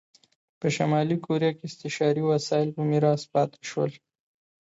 په شلي کوریا کې استثاري وسایل په میراث پاتې شول.